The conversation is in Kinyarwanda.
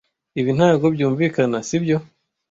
Ibi ntago byumvikana, sibyo?